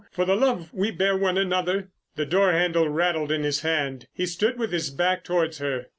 For the love we bear one another." The door handle rattled in his hand. He stood with his back towards her.